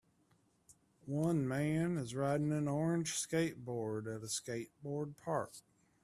One man is riding an orange skateboard at a skateboard park.